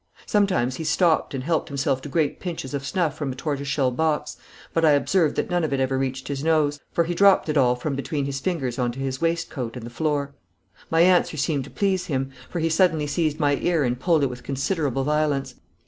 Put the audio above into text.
Sometimes he stopped and helped himself to great pinches of snuff from a tortoise shell box, but I observed that none of it ever reached his nose, for he dropped it all from between his fingers on to his waistcoat and the floor. My answer seemed to please him, for he suddenly seized my ear and pulled it with considerable violence.